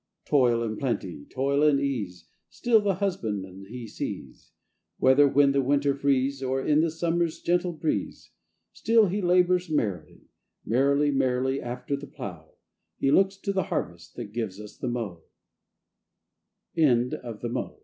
Toil and plenty, toil and ease, Still the husbandman he sees; Whether when the winter freeze, Or in summer's gentle breeze; Still he labours merrily, Merrily, merrily, after the plow, He looks to the harvest, that gives us the mo